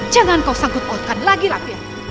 jangan kau sangkut otakan lagi lampir